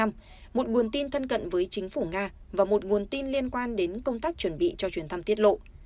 một nguồn tin thân cận với chính phủ nga và một nguồn tin liên quan đến công tác chuẩn bị cho chuyến thăm tiết lộ